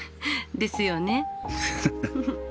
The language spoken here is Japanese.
ですよね。